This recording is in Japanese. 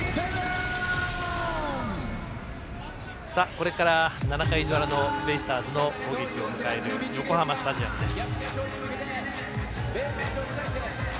これから、７回の裏のベイスターズの攻撃を迎える横浜スタジアムです。